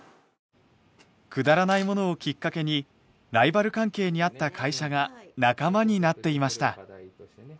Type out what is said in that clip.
くだらないものをきっかけにライバル関係にあった会社が仲間になっていました。